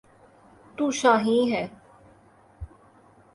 'تو شاہین ہے۔